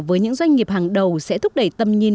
với những doanh nghiệp hàng đầu sẽ thúc đẩy tầm nhìn